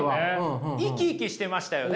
生き生きしてましたよね。